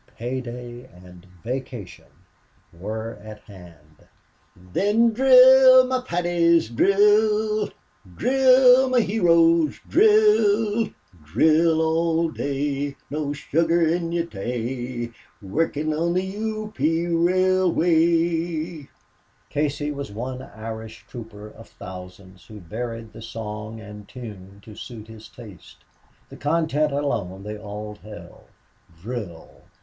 Pay day and vacation were at hand! "Then drill, my Paddies, drill! Drill, my heroes, drill! Drill all day, No sugar in your tay, Workin' on the U. P. Railway." Casey was one Irish trooper of thousands who varied the song and tune to suit his taste. The content alone they all held. Drill!